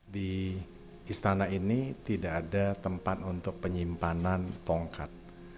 di istana ini tidak ada tempat untuk penyimpanan tongkat